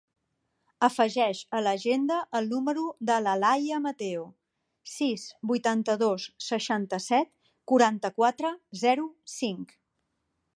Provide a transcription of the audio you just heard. Afegeix a l'agenda el número de l'Alaia Mateo: sis, vuitanta-dos, seixanta-set, quaranta-quatre, zero, cinc.